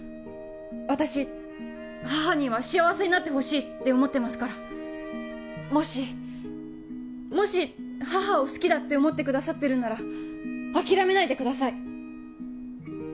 私母には幸せになってほしいって思ってますからもしもし母を好きだって思ってくださってるんなら諦めないでください